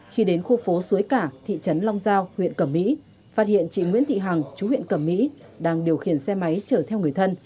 khi đến khu phố suối cả thị trấn long giao huyện cẩm mỹ phát hiện chị nguyễn thị hằng chú huyện cẩm mỹ đang điều khiển xe máy chở theo người thân